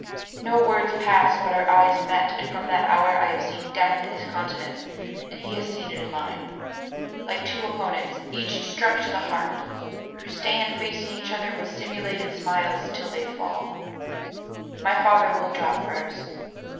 No words passed, but our eyes met and from that hour I have seen death in his countenance and he has seen it in mine, like two opponents, each struck to the heart, who stand facing each other with simulated smiles till they fall. My father will drop first.